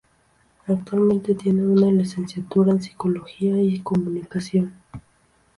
Actualmente tiene una licenciatura en psicología y comunicación.